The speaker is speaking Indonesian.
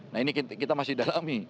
nah ini kita masih dalami